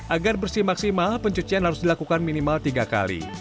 agar bersih maksimal pencucian harus dilakukan minimal tiga kali